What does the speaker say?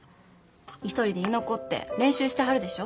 一人で居残って練習してはるでしょ。